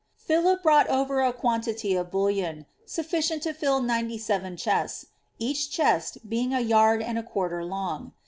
Philip brought over a quantity of bullion, sufHcient to fill ninety seven chests, each chest being a yard and a quarter long.